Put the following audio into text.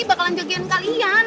bakalan jaga kalian